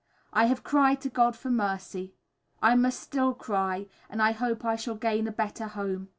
I have cried to God for mercy; I must still cry, and I hope I shall gain a better home.